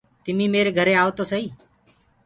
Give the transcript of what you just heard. تمينٚ ميري گھري آيو تو سئي۔